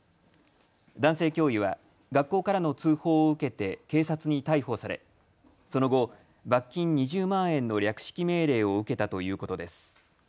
男性教諭は学校からの通報を受けて警察に逮捕されその後、罰金２０万円の略式命令を受けたということです。